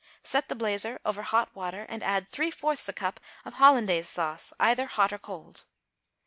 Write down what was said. Set the blazer over hot water and add three fourths a cup of hollandaise sauce (either hot or cold).